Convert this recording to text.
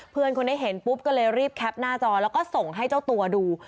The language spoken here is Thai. เพื่อนคนนี้เห็นปุ๊บก็เลยรีบแคปหน้าจอแล้วก็ส่งให้เจ้าตัวดู